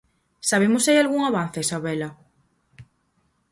Sabemos se hai algún avance, Sabela?